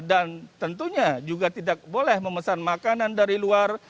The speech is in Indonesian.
dan tentunya juga tidak boleh memesan makanan dari luar